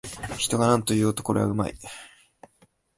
人がなんと言おうと、これはうまい